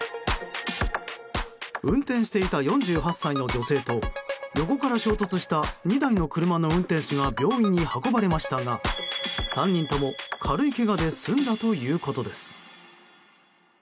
運転していた４８歳の女性と横から衝突した２台の車の運転手が病院に運ばれましたが３人とも軽いけがで済んだということです。